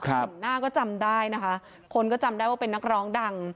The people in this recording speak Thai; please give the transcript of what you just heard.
เห็นหน้าก็จำได้นะคะคนก็จำได้ว่าเป็นนักร้องดัง